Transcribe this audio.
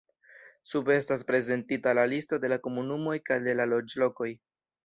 Sube estas prezentita la listo de la komunumoj kaj de la loĝlokoj.